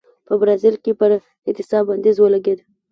په برازیل کې پر اعتصاب بندیز ولګېد.